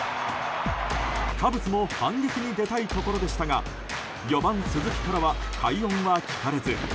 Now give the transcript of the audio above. カブスも反撃に出たいところでしたが４番、鈴木からは快音は聞かれず。